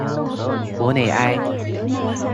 博内埃。